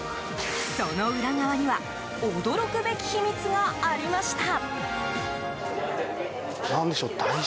その裏側には驚くべき秘密がありました。